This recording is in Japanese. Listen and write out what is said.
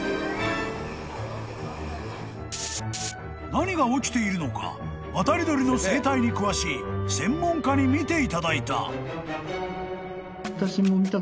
［何が起きているのか渡り鳥の生態に詳しい専門家に見ていただいた］